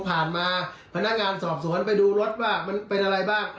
ผ่านมาพนักงานสอบสวนไปดูรถว่ามันเป็นอะไรบ้าง